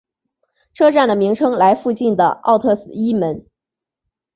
车站的名称来附近的奥特伊门。